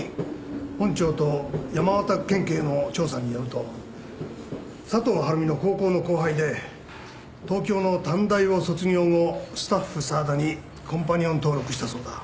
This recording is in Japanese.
本庁と山形県警の調査によると佐藤晴美の高校の後輩で東京の短大を卒業後スタッフＳＡＷＡＤＡにコンパニオン登録したそうだ。